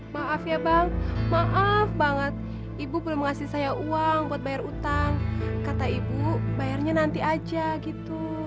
maaf ya bang maaf banget ibu belum ngasih saya uang buat bayar utang kata ibu bayarnya nanti aja gitu